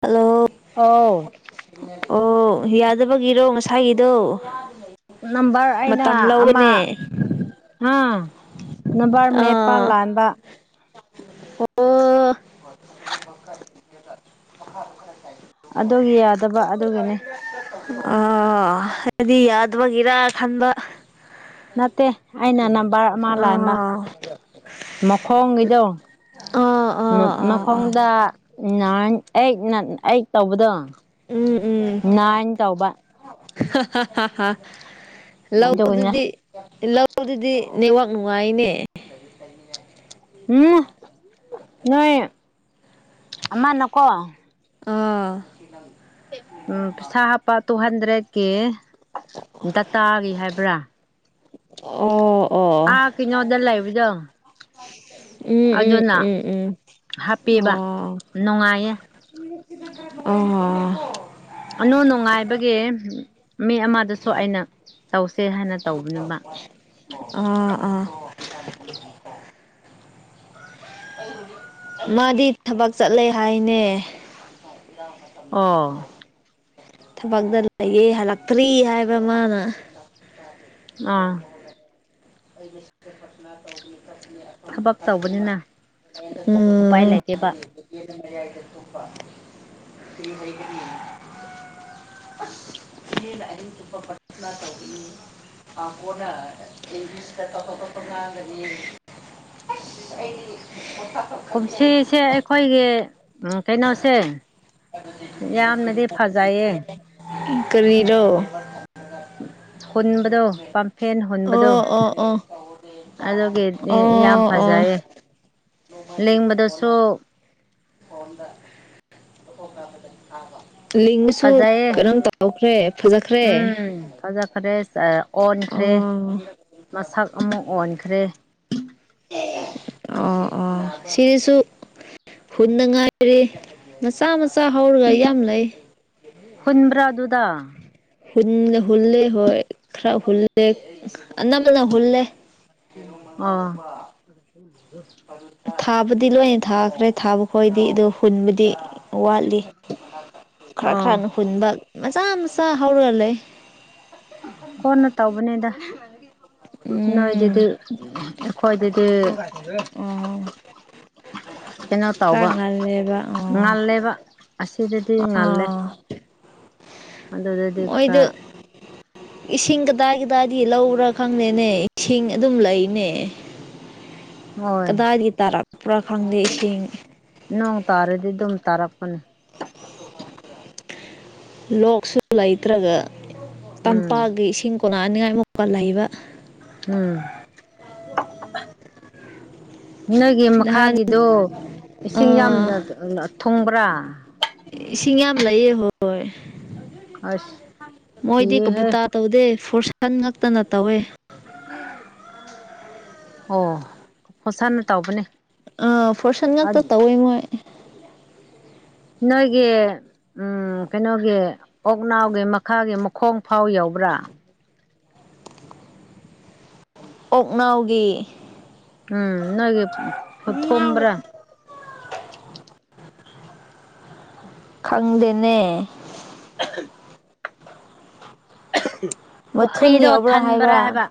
Hello ꯑꯣ ꯑꯣ ꯌꯥꯗꯕꯒꯤꯔꯣ ꯉꯁꯥꯏꯒꯤꯗꯣ ꯅꯝꯕꯔ ꯃꯇꯝ ꯂꯧꯕꯅꯦ ꯑ ꯅꯨꯕꯥꯔ ꯃꯦꯠꯄ ꯑꯥ ꯂꯥꯟꯕ ꯑꯣ ꯑꯗꯨꯒꯤ ꯌꯥꯗꯕ ꯑꯗꯨꯒꯤꯅꯤ ꯑ ꯍꯥꯏꯗꯤ ꯌꯥꯗꯕꯒꯤꯔ ꯈꯟꯕ ꯅꯠꯇꯦ ꯑꯩꯅ ꯅꯝꯕꯔ ꯑꯃ ꯂꯥꯟꯕ ꯑꯥ ꯃꯈꯣꯡꯒꯤꯗꯣ ꯑꯥ ꯑꯥ ꯑꯥ ꯑꯥ ꯃꯈꯣꯡꯗ ꯑꯩꯠ ꯇꯧꯕꯗꯣ ꯎꯝ ꯎꯝ ꯅꯥꯏꯅ ꯇꯧꯕ ꯑꯗꯨꯒꯅꯦ ꯂꯧꯗꯨꯗꯤ ꯂꯧ ꯑꯗꯨꯗꯤ ꯅꯦꯠꯋꯥꯛ ꯅꯨꯡꯉꯥꯏꯅꯦ ꯀ ꯁꯅꯦ ꯎꯝ ꯅꯣꯏ ꯑꯥ ꯅꯀ ꯑꯥ ꯎꯝ ꯄꯩꯁꯥ ꯍꯥꯞꯄ ꯇꯨ ꯍꯟꯗ꯭ꯔꯦꯠꯀꯤ ꯗꯇꯥꯒꯤ ꯍꯥꯏꯕ꯭ꯔꯥ ꯑꯣ ꯑꯣ ꯑꯥ ꯀꯣ ꯑꯣꯗꯔ ꯂꯏꯕꯖ ꯎꯝ ꯎꯝ ꯑꯗꯨꯅ ꯎꯝ ꯎꯝ ꯍꯥꯞꯄꯤꯕ ꯑꯣ ꯅꯨꯡꯉꯥꯏꯌꯦ ꯑꯣ ꯑꯅꯨ ꯅꯨꯡꯉꯥꯏꯕꯒꯤ ꯃꯤ ꯑꯃꯗꯁꯨ ꯑꯩꯅ ꯇꯧꯁꯦ ꯍꯥꯏꯅ ꯇꯧꯕꯅꯤꯕ ꯑꯥ ꯑꯥ [inaudible] ꯃꯥꯗꯤ ꯊꯕꯛ ꯆꯠꯂꯦ ꯍꯥꯏꯅꯦ ꯏ ꯑꯣ ꯊꯕꯛꯇ ꯂꯩꯌꯦ ꯍꯜꯂꯛꯇ꯭ꯔꯤ ꯍꯥꯏꯕ ꯑꯃꯅ ꯑꯥ ꯑꯩꯅ ꯁꯤꯅꯥ ꯇꯧꯅꯤ ꯈ ꯎꯝ [inaudible] [unintelligible] [unintelligible] [inaudible] ꯊꯕꯛ ꯇꯧꯕꯅꯤꯅ ꯎꯄꯥꯏ ꯂꯩꯇꯦꯕ ꯄ꯭ꯔꯊꯥꯅ ꯇꯧꯒꯅꯤ ꯑꯥ ꯀꯣꯅꯥ ꯑꯩ ꯁꯤ ꯇꯣꯞ ꯇꯣꯞꯄ ꯉꯥꯡꯒꯅꯤ ꯑꯩꯒꯤ ꯄꯣꯊ ꯀꯨꯝꯁꯤꯁꯦ ꯑꯩꯈꯣꯏꯒꯤ ꯀꯩꯅꯣꯁꯦ ꯌꯥꯝꯅꯗꯤ ꯐꯖꯩꯌꯦ ꯎꯝ ꯀꯔꯤꯔꯣ ꯍꯨꯟꯕꯗꯣ ꯄꯝꯐꯦꯟ ꯍꯨꯟꯕꯗꯣ ꯑꯣ ꯑꯣ ꯑꯣ ꯑꯗꯨꯒꯤ ꯌꯥꯝ ꯑꯣ ꯑꯣ ꯐꯖꯩꯌꯦ ꯂꯦꯡꯕꯗꯁꯨ ꯐꯝꯕ [unintelligible] [inaudible] ꯂꯤꯡꯉꯁꯨ ꯐꯖꯩꯌꯦ ꯀꯩꯅꯣꯝ ꯇꯥꯎꯈ꯭ꯔꯦ ꯐꯖꯈ꯭ꯔꯦ ꯎꯝ ꯐꯖꯈ꯭ꯔꯦ ꯑꯣꯟꯈ꯭ꯔꯦ ꯑꯣ ꯃꯁꯛ ꯑꯃꯨꯛ ꯑꯣꯟꯈ꯭ꯔꯦ ꯑꯣ ꯑꯣ ꯁꯤꯁꯨ ꯍꯨꯟꯅ ꯉꯥꯏꯔꯤ ꯃꯆꯥ ꯃꯆꯥ ꯍꯧꯔꯒ ꯌꯥꯝ ꯂꯩ ꯍꯨꯟꯕ꯭ꯔꯥ ꯑꯗꯨꯗ ꯨ ꯍꯨꯜꯂꯦ ꯍꯣꯏ ꯈꯔ ꯍꯨꯜꯂꯦ ꯑꯅꯝꯕꯅ ꯍꯨꯜꯂꯦ ꯑꯥ ꯊꯥꯕꯗꯤ ꯂꯣꯏꯅ ꯊꯥꯈ꯭ꯔꯦ ꯊꯥꯕ ꯈꯣꯢꯗꯤ ꯑꯗꯨ ꯍꯨꯟꯕꯗꯤ ꯋꯥꯠꯂꯤ ꯈꯔ ꯑꯣ ꯈꯔꯅ ꯍꯨꯟꯕ ꯃꯆꯥ ꯃꯆꯥ ꯍꯧꯔꯒ ꯂꯩ ꯀꯣꯟꯅ ꯇꯧꯕꯅꯦꯗ ꯅꯣꯏ ꯎꯝ ꯑꯗꯨꯗꯤ ꯑꯩꯈꯣꯏꯗꯗꯤ ꯑꯣ ꯀꯩꯅꯣ ꯈꯔ ꯇꯧꯕ ꯉꯜꯂꯦꯕ ꯑꯣ ꯉꯥꯜꯂꯦꯕ ꯑꯁꯤꯗꯗꯤ ꯉꯜꯂꯦ ꯑꯥ ꯑꯗꯨꯗꯗꯤ ꯈꯔ ꯃꯣꯏꯗꯣ ꯏꯁꯤꯡ ꯀꯗꯥꯏ ꯀꯗꯥꯏꯗꯤ ꯂꯧꯕ꯭ꯔꯥ ꯈꯪꯗꯦꯅꯦ ꯏꯁꯤꯡ ꯑꯗꯨꯝ ꯂꯩꯅꯦ ꯍꯣꯏ ꯀꯗꯥꯏꯗꯒꯤ ꯇꯥꯔꯛꯄ꯭ꯔꯥ ꯈꯪꯗꯦ ꯏꯁꯤꯡ ꯅꯣꯡ ꯇꯥꯔꯗꯤ ꯑꯗꯨꯝ ꯇꯥꯔꯛꯄꯅꯦ ꯂꯣꯛꯁꯨ ꯂꯩꯇ꯭ꯔꯒ ꯎꯝ ꯇꯝꯄꯥꯛꯒꯤ ꯏꯁꯤꯡ ꯀꯣꯅꯅꯤꯡꯉꯥꯏ ꯃꯨꯛꯀ ꯂꯩꯕ ꯎꯝ ꯅꯣꯏꯒꯤ ꯅꯍꯥꯟ ꯃꯈꯥꯒꯤꯗꯨ ꯏꯁꯤꯡ ꯌꯥꯝꯅ ꯑꯥ ꯊꯨꯡꯕ꯭ꯔꯥ ꯏꯁꯤꯡ ꯌꯥꯝ ꯂꯩꯌꯦ ꯍꯣꯏ ꯑꯁ ꯃꯣꯏꯗꯤ ꯀꯤꯌꯦꯍꯦ ꯀꯕꯨꯨꯇꯥ ꯇꯧꯗꯦ ꯐꯣꯔꯁꯟ ꯉꯛꯇꯅ ꯇꯧꯋꯦ ꯑꯣ ꯐꯣꯠꯁꯅ ꯇꯥꯎꯕꯅꯦ ꯑꯥ ꯐꯣꯔꯁꯟ ꯉꯥꯛꯇ ꯇꯧꯋꯦ ꯃꯣꯏ ꯅꯣꯏꯒꯤ ꯎꯝ ꯀꯩꯅꯣꯒꯤ ꯑꯣꯛꯅꯥꯎꯒꯤ ꯃꯈꯥꯒꯤ ꯃꯈꯣꯡ ꯐꯥꯎ ꯌꯥꯎꯕ꯭ꯔꯥ ꯑꯣꯛꯅꯥꯎꯒꯤ ꯎꯝ ꯅꯣꯢꯒꯤ ꯐꯨꯠ ꯊꯨꯝꯕ꯭ꯔꯥ ꯈꯪꯗꯦꯅꯦ ꯑꯍꯝ ꯃꯊꯨꯟ ꯄꯨꯈ꯭ꯔꯤꯗꯣ ꯌꯥꯎꯕ꯭ꯔꯥ ꯊꯟꯕ꯭ꯔꯥ ꯍꯥꯏꯕ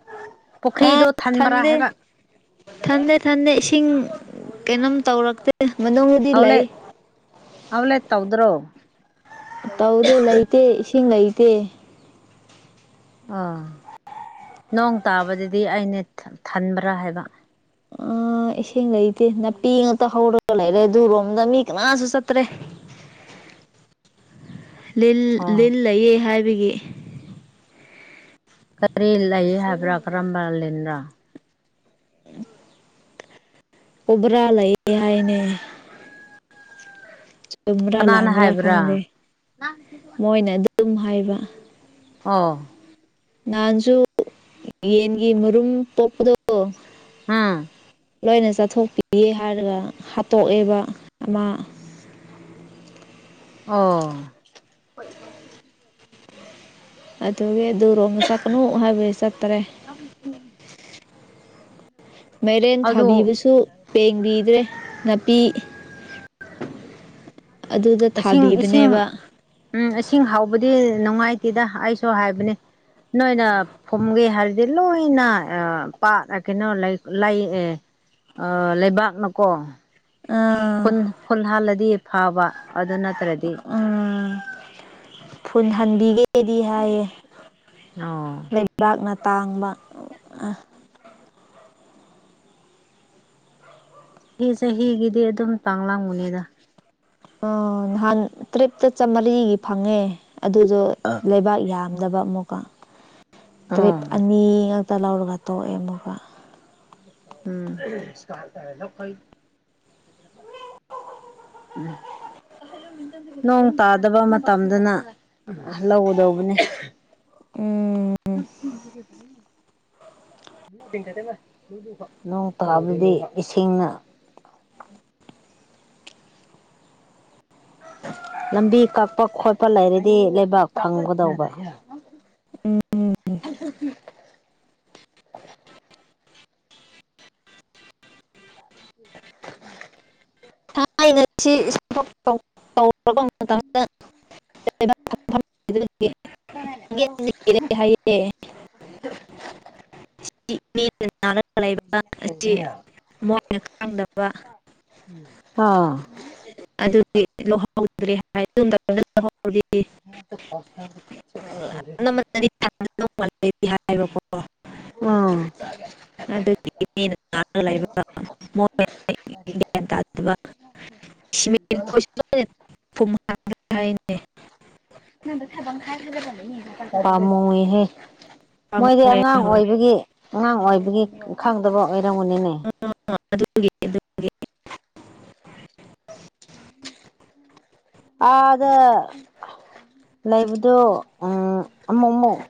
ꯑ ꯄꯨꯈ꯭ꯔꯤꯗꯣ ꯊꯟꯕ꯭ꯔꯥ ꯊꯟꯗꯦ ꯍꯥꯏꯕ ꯊꯟꯗꯦ ꯊꯟꯗꯦ ꯏꯁꯤꯡ ꯀꯩꯅꯣꯝ ꯇꯧꯔꯛꯇꯦ ꯃꯅꯨꯡꯕꯨꯗꯤ ꯂꯩ ꯍꯥꯎ ꯂꯦꯠ ꯇꯧꯗ꯭ꯔꯣ ꯇꯧꯗꯦ ꯂꯩꯇꯦ ꯏꯁꯤꯡ ꯂꯩꯇꯦ ꯑꯣ ꯅꯣꯡ ꯇꯥꯕꯗꯗꯤ ꯑꯩꯅꯦ ꯊꯟꯕ꯭ꯔꯥ ꯍꯥꯏꯕ ꯑꯥ ꯏꯁꯤꯡ ꯂꯩꯇꯦ ꯅꯥꯄꯤ ꯉꯥꯛꯇ ꯍꯧꯔꯒ ꯂꯩꯔꯦ ꯑꯗꯨꯔꯣꯝꯗ ꯃꯤ ꯀꯅꯥꯁꯨ ꯆꯠꯇ꯭ꯔꯦ [inaudible] ꯂꯤꯜ ꯑꯣ ꯂꯤꯜ ꯂꯩꯌꯦ ꯍꯥꯏꯕꯒꯤ ꯀꯔꯤ ꯂꯩ ꯍꯥꯏꯕ꯭ꯔꯥ ꯀꯔꯝꯕ ꯂꯤꯟꯅꯣ ꯑꯣꯕ꯭ꯔꯥ ꯂꯩ ꯍꯥꯏꯅꯦ ꯆꯨꯝꯕ꯭ꯔꯥ ꯀꯅꯥꯅ ꯂꯥꯛꯑꯝꯕ꯭ꯔꯥ ꯍꯥꯏꯕ꯭ꯔꯥ ꯈꯪꯗꯦ ꯃꯣꯏꯅ ꯑꯗꯨꯝ ꯍꯥꯏꯕ ꯑꯥ ꯅꯍꯥꯟꯁꯨ ꯌꯦꯟꯒꯤ ꯃꯔꯨꯝ ꯄꯣꯛꯄꯗꯣ ꯎꯝ ꯂꯣꯏꯅ ꯆꯠꯊꯣꯛꯄꯤꯒꯦ ꯍꯥꯏꯔꯒ ꯍꯥꯠꯇꯣꯛꯑꯦꯕ ꯑꯃ ꯑꯣ ꯍꯣꯏ ꯑꯗꯨꯒꯤ ꯑꯗꯨꯔꯣꯝ ꯆꯛꯅꯨ ꯍꯥꯏꯕꯩ ꯆꯠꯇ꯭ꯔꯦ ꯃꯩꯔꯦꯟ ꯑꯗꯨ ꯊꯥꯕꯤꯕꯁꯨ ꯄꯦꯡꯕꯤꯗ꯭ꯔꯦ ꯅꯥꯄꯤ ꯑꯗꯨꯗ ꯏꯁꯤꯡ ꯏꯁꯤꯡ ꯊꯥꯕꯤꯕꯅꯦꯕ ꯎꯝ ꯏꯁꯤꯡ ꯍꯥꯎꯕꯗꯤ ꯅꯨꯡꯉꯥꯏꯇꯦꯗ ꯑꯩꯁꯨ ꯍꯥꯏꯕꯅꯦ ꯅꯣꯏꯅ ꯐꯨꯝꯒꯦ ꯍꯥꯏꯔꯗꯤ ꯂꯣꯏꯅ ꯄꯥꯠ ꯀꯩꯅꯣ ꯂꯩ ꯑꯦ ꯂꯩꯕꯥꯛꯅꯀꯣ ꯑꯥ ꯐꯨꯟ ꯐꯨꯜ ꯍꯥꯜꯂꯗꯤ ꯐꯕ ꯑꯗꯨ ꯅꯠꯇ꯭ꯔꯗꯤ ꯎꯝ ꯐꯨꯟ ꯍꯥꯟꯕꯤꯒꯦ ꯑꯩꯗꯤ ꯍꯥꯏꯌꯦ ꯑꯣ ꯂꯩꯕꯥꯛꯅ ꯇꯥꯡꯕ ꯃꯤ ꯆꯍꯤꯒꯤꯗꯤ ꯑꯗꯨꯝ ꯄꯥꯡꯂꯝꯒꯅꯤꯗ ꯑ ꯅꯍꯥꯟ ꯇ꯭ꯔꯤꯞꯇ ꯆꯥꯃꯔꯤ ꯐꯪꯉꯦ ꯑꯗꯨꯗꯣ ꯂꯩꯕꯥꯛ ꯌꯥꯝꯗꯕ ꯑꯃꯨꯛꯀ ꯇꯔꯤꯞ ꯑꯣ ꯑꯅꯤ ꯉꯥꯛꯇ ꯂꯧꯔꯒ ꯇꯣꯛꯑꯦ ꯑꯃꯨꯛꯀ ꯎꯝ [unintelligible] ꯎꯝ ꯅꯣꯡ ꯇꯥꯗꯕ ꯃꯇꯝꯗꯅ ꯂꯧꯒꯗꯧꯕꯅꯦ ꯎꯝ [inaudible] [unintelligible] ꯅꯣꯡ ꯇꯥꯕꯗꯤ ꯏꯁꯤꯡꯅ ꯂꯝꯕꯤ ꯀꯛꯄ ꯈꯣꯠꯄ ꯂꯩꯔꯗꯤ ꯂꯩꯕꯥꯛ ꯐꯪꯒꯗꯧꯕ ꯎꯝ ꯎꯝ [unintelligible] [inaudible] ꯊꯥꯏꯅ ꯁꯤ [unintelligible] [unintelligible] ꯑꯦ [unintelligible] [unintelligible] ꯑꯁꯤ ꯃꯣꯏꯅ ꯈꯥꯡꯗꯕ ꯍꯥꯥ ꯑꯗꯨꯗꯤ ꯂꯨꯍꯧꯗ꯭ꯔꯦ ꯍꯥꯏ [unintelligible] [unintelligible] [unintelligible] ꯍꯥꯏꯕꯀꯣ ꯎꯝ [unintelligible] ꯑꯗꯨꯒ [unintelligible] ꯄꯥꯝꯃꯨꯏꯍꯦ ꯃꯣꯏꯗꯤ ꯄꯥꯝꯃꯨꯏ ꯑꯉꯥꯡ ꯍꯣꯏ ꯑꯣꯏꯕꯒꯤ ꯑꯉꯥꯡ ꯑꯣꯏꯕꯒꯤ ꯈꯪꯗꯕ ꯑꯣꯏꯔꯝꯒꯅꯤꯅꯦ ꯑꯗꯨꯒꯤ ꯑꯗꯨꯒꯤ ꯑꯥꯗ ꯂꯩꯕꯗꯣ ꯎꯝ ꯑꯃꯨꯛ ꯑꯃꯨꯛ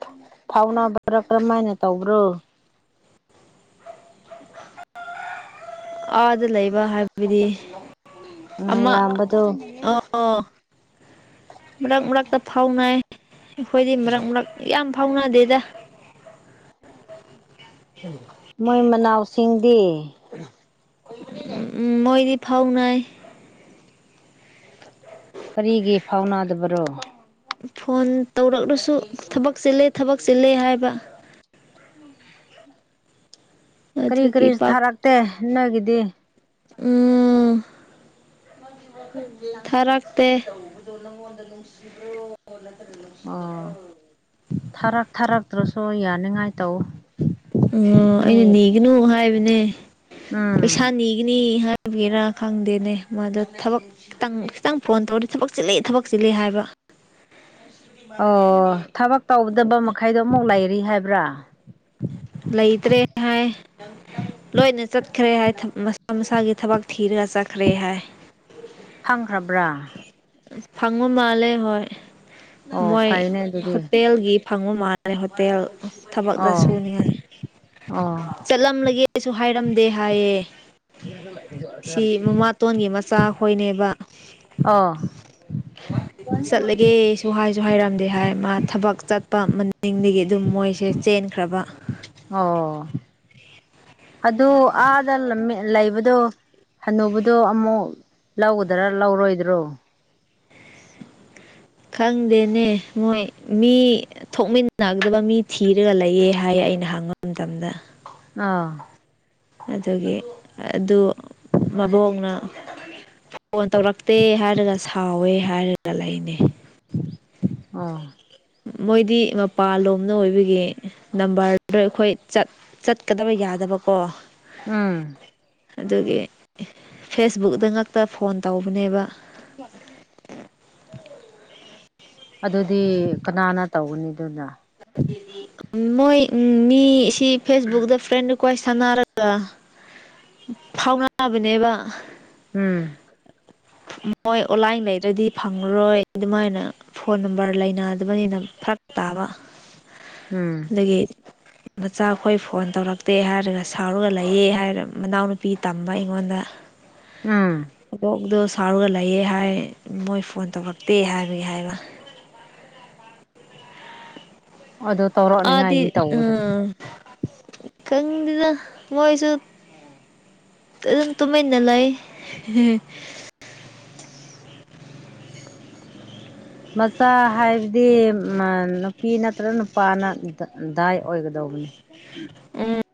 ꯐꯥꯎꯅꯕ꯭ꯔꯥ ꯀꯔꯝꯃꯥꯏꯅ ꯇꯧꯕ꯭ꯔꯣ ꯑꯥꯗ ꯂꯩꯕ ꯍꯥꯏꯕꯗꯤ ꯑꯃ ꯃꯌꯥꯝꯕꯗꯣ ꯑꯣ ꯃꯔꯛ ꯃꯔꯛꯇ ꯐꯥꯎꯅꯥꯏ ꯑꯩꯈꯣꯏꯗꯤ ꯃꯔꯛ ꯃꯔꯛ ꯌꯥꯝ ꯐꯥꯎꯅꯗꯦꯗ ꯃꯣꯏ ꯃꯅꯥꯎꯁꯤꯡꯗꯤ ꯎꯝ ꯎꯝ ꯃꯣꯏꯗꯤ ꯐꯥꯎꯅꯩ ꯀꯔꯤꯒꯤ ꯐꯥꯎꯅꯗꯕꯔꯣ꯫ ꯐꯣꯟ ꯇꯧꯔꯛꯂꯁꯨ ꯊꯕꯛ ꯆꯤꯜꯂꯦ ꯊꯕꯛ ꯆꯤꯜꯂꯦ ꯍꯥꯏꯕ꯫ ꯀꯔꯤ ꯑꯗꯨꯒꯤ ꯀꯔꯤꯁꯨ ꯄꯥꯛ ꯊꯥꯔꯛꯇꯦ ꯅꯣꯢꯒꯤꯗꯤ꯫ ꯎꯝ [unintelligible] [unintelligible] ꯅꯪꯉꯣꯟꯗ ꯅꯨꯡꯁꯤꯕ꯭ꯔꯣ ꯅꯠꯇꯅ ꯑꯣ ꯅꯨꯡꯁꯤꯗꯕ꯭ꯔꯣ꯫ ꯊꯥꯔꯛ ꯊꯥꯔꯛꯇ꯭ꯔꯁꯨ ꯌꯥꯅꯤꯡꯉꯥꯏ ꯇꯧ ꯎꯝ ꯑꯩꯅ ꯃꯤ ꯅꯤꯒꯅꯨ ꯍꯥꯏꯕꯅꯦ ꯄꯩꯁꯥ ꯎꯝ ꯅꯤꯒꯅꯤ ꯍꯥꯏ ꯒꯤꯔꯥ ꯈꯪꯗꯦꯅꯦ ꯃꯥꯗꯣ ꯊꯕꯛ ꯈꯤꯇꯪ ꯈꯤꯇꯪ ꯐꯣꯟ ꯇꯧꯔꯗꯤ ꯊꯕꯛ ꯆꯤꯜꯂꯤ ꯊꯕꯛ ꯆꯤꯜꯂꯤ ꯍꯥꯏꯕ꯫ ꯑꯣ ꯊꯕꯛ ꯇꯧꯗꯕ ꯃꯈꯩꯗꯣ ꯑꯃꯨꯛ ꯂꯩꯔꯤ ꯍꯥꯏꯕ꯭ꯔꯥ ꯂꯩꯇ꯭ꯔꯦ꯫ [unintelligible] ꯂꯣꯏꯅ ꯆꯠꯈ꯭ꯔꯦ ꯍꯥꯏ ꯃꯁꯥ ꯃꯁꯥꯒꯤ ꯊꯕꯛ ꯊꯤꯔꯒ ꯆꯠꯈ꯭ꯔꯦ ꯍꯥꯏ ꯐꯪꯈ꯭ꯔꯕ꯭ꯔꯥ ꯐꯕ ꯃꯥꯜꯂꯦ ꯍꯣꯏ ꯑꯣ ꯃꯣꯏ ꯐꯩꯅꯦ ꯑꯗꯨꯗꯤ ꯍꯣꯇꯦꯜ ꯒꯤ ꯐꯪꯕ ꯃꯥꯜꯂꯦ ꯍꯣꯇꯦꯜ ꯊꯕꯛꯇ ꯑꯣ ꯁꯨꯅꯤꯉꯥꯏ ꯑꯣ ꯆꯠꯂꯝꯂꯒꯦ ꯀꯩꯁꯨ ꯍꯥꯏꯔꯝꯗꯦ ꯍꯥꯏꯌꯦ ꯁꯤ ꯃꯃꯥ ꯇꯣꯟꯒꯤ ꯃꯆꯥ ꯈꯣꯏꯅꯦꯕ ꯑꯣ ꯆꯠꯂꯒꯦ ꯁꯨ ꯍꯥꯏꯁꯨ ꯍꯥꯏꯔꯝꯗꯦ ꯍꯥꯏ ꯃꯥ ꯊꯕꯛ ꯆꯠꯄ ꯃꯅꯤꯡꯗꯒꯤ ꯑꯗꯨꯝ ꯃꯣꯏꯁꯦ ꯆꯦꯟꯈ꯭ꯔꯕ ꯑꯣ ꯑꯗꯨ ꯑꯥꯗ ꯂꯝꯃꯦ ꯂꯩꯕꯗꯣ ꯍꯅꯨꯕꯗꯣ ꯑꯃꯨꯛ ꯂꯧꯒꯗ꯭ꯔꯥ ꯂꯧꯔꯣꯏꯗ꯭ꯔꯣ꯫ ꯈꯪꯗꯦꯅꯦ ꯃꯣꯏ ꯃꯤ ꯊꯣꯛꯃꯤꯟꯅꯒꯗꯕ ꯃꯤ ꯊꯤꯔꯒ ꯂꯩꯌꯦ ꯍꯥꯏ ꯑꯩꯅ ꯍꯪꯕ ꯃꯇꯝꯗ꯫ ꯑꯥ ꯑꯗꯨꯗꯒꯤ ꯑꯗꯨ ꯃꯕꯣꯡꯅ ꯐꯣꯟ ꯇꯧꯔꯛꯇꯦ ꯍꯥꯏꯔꯒ ꯁꯥꯎꯋꯦ ꯍꯥꯏꯔꯒ ꯂꯩꯅꯦ꯫ ꯑꯥ ꯃꯣꯏꯗꯤ ꯃꯄꯥꯟꯂꯣꯝꯅ ꯑꯣꯏꯕꯒꯤ ꯅꯝꯕꯔꯗ ꯑꯩꯈꯣꯏ ꯆꯠ ꯆꯠꯀꯗꯕ ꯌꯥꯗꯕꯀꯣ꯫ ꯎꯝ ꯑꯗꯨꯒꯤ ꯐꯦꯁꯕꯨꯛꯇ ꯉꯥꯛꯇ ꯐꯣꯟ ꯇꯧꯕꯅꯦꯕ [unintelligible] ꯑꯗꯨꯗꯤ ꯀꯅꯥꯅ ꯇꯧꯒꯅꯤ ꯑꯗꯨꯅ ꯃꯣꯏ ꯎꯝ ꯃꯤ ꯁꯤ ꯐꯦꯁꯕꯨꯛꯗ ꯐ꯭ꯔꯦꯟ ꯀ꯭ꯋꯦꯁ ꯊꯥꯟꯅꯔꯒ ꯐꯥꯎꯅꯕꯅꯦꯕ꯫ ꯎꯝ꯫ ꯃꯣꯏ ꯑꯣꯟꯂꯥꯏꯟ ꯂꯩꯇ꯭ꯥꯔꯗꯤ ꯐꯪꯉꯔꯣꯏ ꯑꯗꯨꯃꯥꯏꯅ ꯐꯣꯟ ꯅꯝꯕꯔ ꯂꯩꯅꯗꯕꯅꯤꯅ ꯐꯔꯛ ꯇꯥꯕ꯫ ꯎꯝ [unintelligible] ꯃꯆꯥꯈꯣꯏ ꯐꯣꯟ ꯇꯧꯔꯛꯇꯦ ꯍꯥꯏꯔꯒ ꯁꯥꯎꯔꯒ ꯂꯩꯌꯦ ꯍꯥꯏꯔ ꯃꯅꯥꯎꯅꯨꯄꯤ ꯇꯝꯕ ꯑꯩꯉꯣꯟꯗ꯫ ꯎꯝ [unintelligible] ꯁꯥꯎꯔꯒ ꯂꯩꯌꯦ ꯍꯥꯏ ꯃꯣꯏ ꯐꯣꯟ ꯇꯧꯔꯛꯇꯦ ꯍꯥꯏꯕꯒꯤ ꯍꯥꯏꯕ꯫ ꯑꯗꯣ ꯑꯥꯗꯤ ꯇꯧꯔꯛꯅꯤꯉꯥꯏꯗꯤ ꯇꯧꯑꯣꯗꯅ꯫ ꯎꯝ ꯈꯪꯗꯦꯗ ꯃꯣꯏꯁꯨ ꯑꯗꯨꯝ ꯇꯨꯃꯤꯟꯅ ꯂꯩ ꯃꯆꯥ ꯍꯥꯏꯕꯗꯤ ꯅꯨꯄꯤ ꯅꯠꯇ꯭ꯔꯒ ꯅꯨꯄꯥꯅ ꯗꯥꯏ ꯑꯣꯏꯒꯗꯧꯕꯅꯤ ꯎꯝ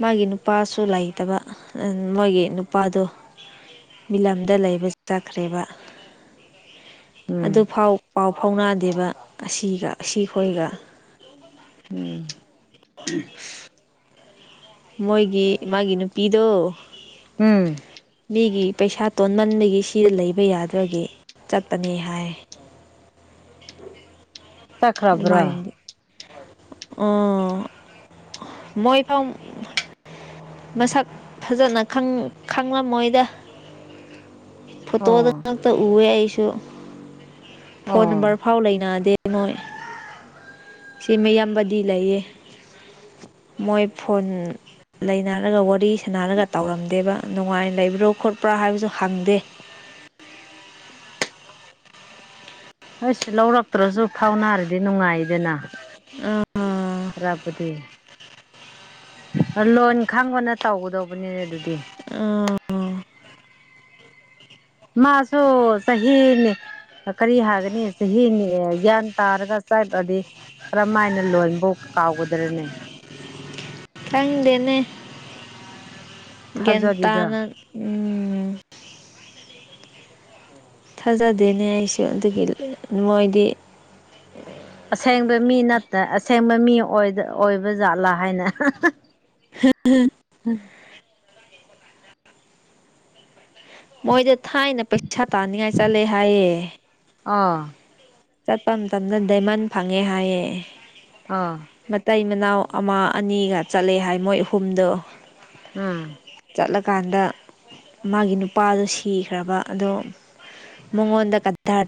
ꯃꯥꯒꯤ ꯅꯨꯄꯥꯁꯨ ꯂꯩꯇꯕ ꯑꯟ ꯃꯣꯏꯒꯤ ꯅꯨꯄꯥꯗꯣ꯫ ꯃꯤꯂꯝꯗ ꯂꯩꯕ ꯆꯠꯈ꯭ꯔꯦꯕ꯫꯫ ꯎꯝ ꯑꯗꯨꯐꯥꯎ ꯄꯥꯎ ꯐꯥꯎꯅꯗꯦꯕ ꯑꯁꯤꯒ ꯑꯁꯤꯈꯣꯏꯒ꯫ ꯎꯝ꯫ ꯃꯣꯏꯒꯤ ꯃꯥꯒꯤ ꯅꯨꯄꯤꯗꯣ꯫ ꯎꯝ꯫ ꯃꯤꯒꯤ ꯄꯩꯁꯥ ꯇꯣꯟꯃꯟꯕꯒꯤ ꯁꯤꯗ ꯂꯩꯕ ꯌꯥꯗꯕꯒꯤ ꯆꯠꯄꯅꯤ ꯍꯥꯏ꯫ ꯆꯠꯈ꯭ꯔꯕ꯭ꯔꯣ ꯏꯃꯥꯏ ꯏ ꯃꯣꯏ꯫ [unintelligible] ꯃꯁꯛ ꯐꯖꯅ ꯈꯪ ꯈꯪꯂꯝꯃꯣꯏꯗ ꯐꯣꯇꯣꯗ ꯑꯣ ꯇ ꯎꯑꯦ ꯑꯩꯁꯨ ꯐꯣꯟ ꯅꯝꯕꯔ ꯑꯣ ꯐꯥꯎ ꯂꯩꯅꯗꯦ ꯅꯣꯏ꯫ ꯁꯤ ꯃꯌꯥꯝꯕꯗꯤ ꯂꯩꯌꯦ ꯃꯣꯏ ꯐꯣꯟ ꯂꯩꯅꯥꯔꯒ ꯋꯥꯔꯤ ꯁꯥꯟꯅꯔꯒ ꯇꯧꯔꯝꯗꯦꯕ ꯅꯨꯡꯉꯥꯏꯅ ꯂꯩꯕ꯭ꯔꯣ ꯈꯣꯠꯄ꯭ꯔꯥ ꯍꯥꯏꯕꯁꯨ ꯍꯪꯗꯦ꯫ ꯑꯗꯣꯏꯁꯨ ꯂꯧꯔꯛꯇ꯭ꯔꯁꯨ ꯐꯥꯎꯅꯔꯗꯤ ꯅꯨꯡꯉꯥꯏꯗꯅ꯫ ꯑꯥ꯫ ꯑꯔꯥꯞꯄꯗꯤ꯫ ꯂꯣꯟ ꯈꯪꯕꯅ ꯇꯧꯒꯗꯧꯕꯅꯤꯅꯦ ꯑꯗꯨꯗꯤ꯫ ꯑ꯫ ꯃꯥꯁꯨ ꯆꯍꯤꯅꯦ ꯀꯔꯤ ꯍꯥꯏꯒꯅꯤ ꯆꯍꯤꯅꯤ ꯒ꯭ꯌꯥꯟ ꯇꯥꯔꯒ ꯆꯥꯏꯔꯛꯑꯗꯤ꯫ ꯀꯔꯝ ꯍꯥꯏꯅ ꯂꯣꯟꯕꯨ ꯀꯥꯎꯒꯗꯔꯅꯦ꯫ ꯈꯪꯗꯦꯅꯦ꯫ ꯒꯤꯌꯟ ꯊꯥꯖꯗꯦꯗ ꯇꯅ ꯎꯝ꯫ ꯊꯥꯖꯗꯦꯅꯦ ꯑꯩꯁꯨ ꯑꯗꯨꯒꯤ ꯃꯣꯏꯗꯤ꯫ ꯑꯁꯦꯡꯕ ꯃꯤ ꯅꯠꯇ ꯑꯁꯦꯡꯕ ꯃꯤ ꯑꯣꯏꯕ ꯖꯥꯠꯂꯥ ꯍꯥꯏꯅ꯫ [unintelligible] ꯎꯝ꯫ ꯃꯣꯏꯗ ꯊꯥꯏꯅ ꯄꯩꯁꯥ ꯇꯥꯅꯤꯡꯉꯥꯏ ꯆꯠꯂꯦ ꯍꯥꯏꯌꯦ꯫ ꯑꯥ꯫ ꯆꯠꯄ ꯃꯇꯝꯗ ꯗꯥꯏꯃꯟ ꯐꯪꯉꯦ ꯍꯥꯏꯌꯦ꯫ ꯑꯥ꯫ ꯃꯇꯩ ꯃꯅꯥꯎ ꯑꯃ ꯑꯅꯤꯒ ꯆꯠꯂꯦ ꯍꯥꯏ ꯃꯣꯏ ꯑꯍꯨꯝꯗꯣ꯫ ꯎꯝ꯫ ꯆꯠꯂꯀꯥꯟꯗ ꯃꯥꯒꯤ ꯅꯨꯄꯥꯗꯣ ꯁꯤꯈ꯭ꯔꯕ ꯑꯗꯣ꯫ ꯃꯉꯣꯟꯗ ꯀꯊꯔ